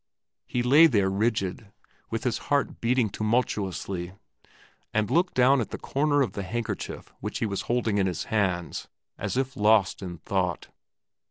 He lay there rigid, with his heart beating tumultuously, and looked down at the corner of the handkerchief which he was holding in his hands as if lost in thought.